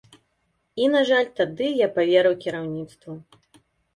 І, на жаль, тады я паверыў кіраўніцтву.